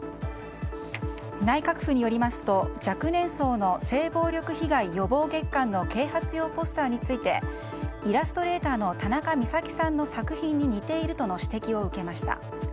内閣府によりますと若年層の性暴力被害予防月間の啓発用ポスターについてイラストレーターのたなかみさきさんの作品に似ているとの指摘を受けました。